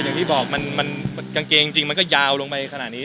อย่างที่บอกมันกางเกงจริงมันก็ยาวลงไปขนาดนี้